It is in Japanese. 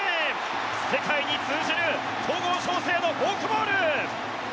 世界に通じる戸郷翔征のフォークボール。